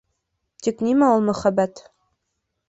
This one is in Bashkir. Тик нимә ул мөхәббәт?